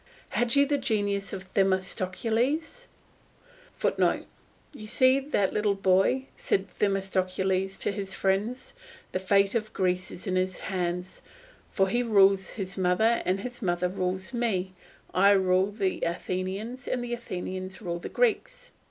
Had you the genius of Themistocles, [Footnote: "You see that little boy," said Themistocles to his friends, "the fate of Greece is in his hands, for he rules his mother and his mother rules me, I rule the Athenians and the Athenians rule the Greeks."